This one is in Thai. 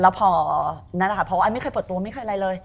แล้วพอนั่นแหละค่ะเพราะว่าอันไม่เคยเปิดตัวไม่เคยอะไรเลย